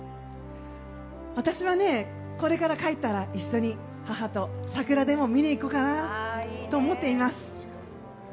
私はね、これから帰ったら母と一緒に桜でも見に行こうかなと思っています。